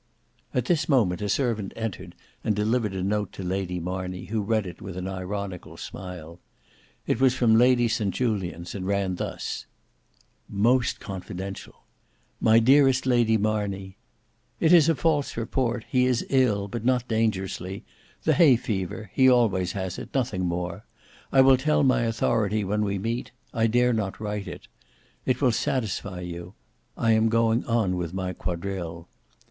At this moment a servant entered and delivered a note to Lady Marney, who read it with an ironical smile. It was from Lady St Julians, and ran thus:— "Most confidential. "My dearest Lady Marney, "It is a false report: he is ill, but not dangerously; the hay fever; he always has it; nothing more: I will tell my authority when we meet; I dare not write it. It will satisfy you. I am going on with my quadrille.